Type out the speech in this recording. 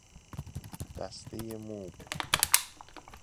دسته مو